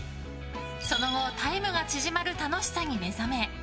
その後タイムが縮まる楽しさに目覚め